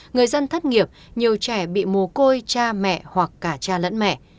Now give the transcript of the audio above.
người dân thất nghiệp nhiều trẻ bị mồ côi cha mẹ hoặc cả cha lẫn mẹ